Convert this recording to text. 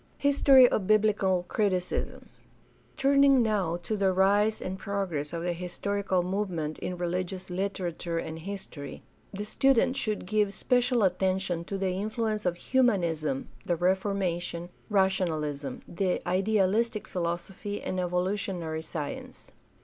History of biblical criticism. — Turning now to the rise and progress of the historical movement in religious literature and history, the student should give special attention to the influ ence of Humanism, the Reformation, rationalism, the idealistic philosophy, and evolutionary science.